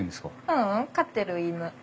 ううん飼ってる犬。